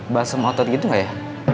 basem otot gitu gak ya